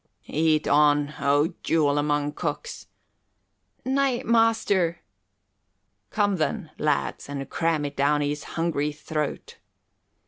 "Eat on, O jewel among cooks!" "Nay, master " "Come, then, lads, and cram it down his hungry throat."